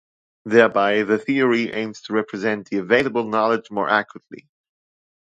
Thereby, the theory aims to represent the available knowledge more accurately.